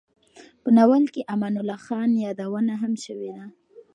په ناول کې د امان الله خان یادونه هم شوې ده.